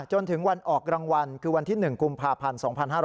จนถึงวันออกรางวัลคือวันที่๑กุมภาพันธ์๒๕๕๙